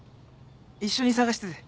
一緒に捜してて。